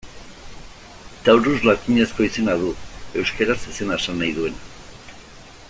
Taurus latinezko izena du, euskaraz zezena esan nahi duena.